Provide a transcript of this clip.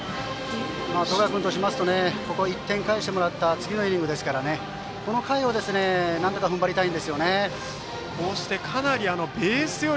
十川君としてもここは１点返してもらった次のイニングですからこの回を、なんとか踏ん張りたい。